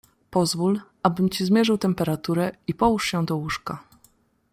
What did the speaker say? "Pozwól, abym ci zmierzył temperaturę i połóż się do łóżka."